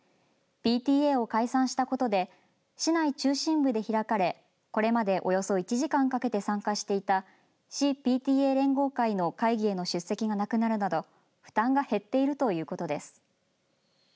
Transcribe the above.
ＰＴＡを解散したことで市内中心部で開かれこれまで、およそ１時間かけて参加していた市ＰＴＡ連合会の会議への出席がなくなるなど負担が減っているということです。